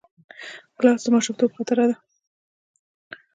ګیلاس د ماشومتوب خاطره ده.